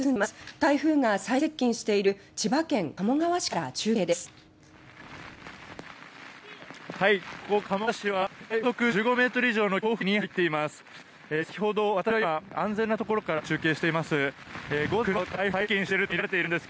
台風が最接近している千葉県鴨川市から中継です。